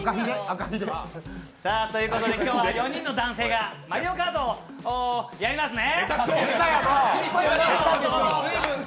ということで、今日は４人の男性が「マリオカート」をやりますね。